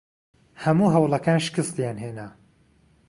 هەموو هەوڵەکان شکستیان هێنا.